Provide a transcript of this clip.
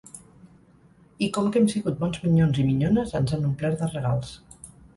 I com que hem sigut bons minyons i minyones ens han omplert de regals.